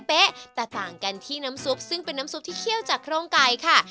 แตกต่างกันที่น้ำซุปซึ่งเป็นน้ำซุปที่เคี่ยวจากโครงไก่ค่ะ